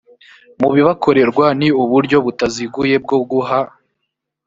mu bibakorerwa ni uburyo butaziguye bwo guha